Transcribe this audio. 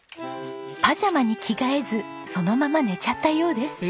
パジャマに着替えずそのまま寝ちゃったようです。